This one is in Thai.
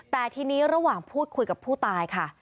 แต่ทีนี้ระหว่างพูดคุยกับผู้ตายค่ะ